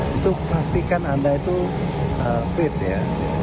itu pastikan anda itu fit ya